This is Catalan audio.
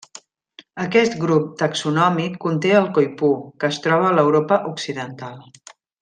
Aquest grup taxonòmic conté el coipú, que es troba a l'Europa Occidental.